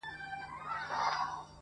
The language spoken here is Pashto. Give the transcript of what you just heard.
• د بشريت له روحه وباسه ته.